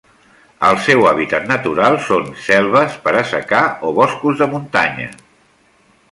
El seu hàbitat natural són selves per assecar o boscos de muntanya.